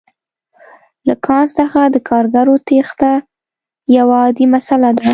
له کان څخه د کارګرو تېښته یوه عادي مسئله ده